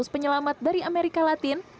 dua ratus penyelamat dari amerika latin